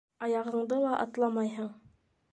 Аяғыңды ла атламайһың.